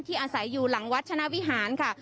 ที่อาศัยอยู่หลังวัตรฉนวิหารค่ะ